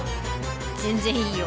全然いいよ！